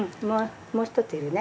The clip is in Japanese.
もう１ついるね。